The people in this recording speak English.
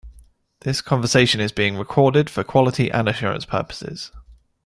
This conversation is being recorded for quality assurance purposes.